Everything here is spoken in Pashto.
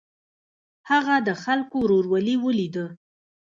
هغه د خلکو ورورولي ولیده.